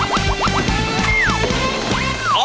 อ๋อปะจ๋อ